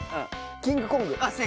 『キング・コング』。